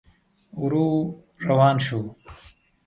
ورو روان شو.